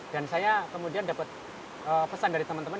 dan saya kemudian dapat pesan dari teman teman